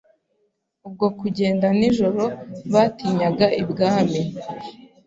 Ubwo kugenda nijoro batinyaga ibwami.